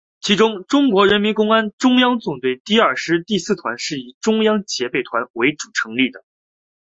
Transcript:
其中中国人民公安中央纵队第二师第四团是以中央警备团为主成立。